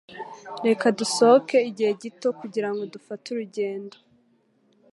Reka dusohoke igihe gito kugirango dufate urugendo.